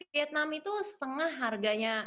vietnam itu setengah harga